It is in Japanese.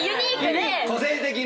個性的な。